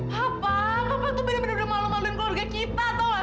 papa papa tuh bener bener malu maluin keluarga kita tau lah